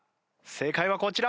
正解はこちら。